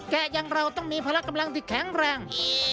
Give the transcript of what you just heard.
อย่างเราต้องมีพละกำลังที่แข็งแรง